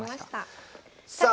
さあ。